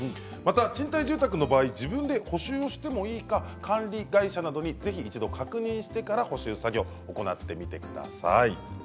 賃貸住宅の場合自分で補修をしてもいいか管理会社などにぜひ一度、確認をしてから補修作業を行ってみてください。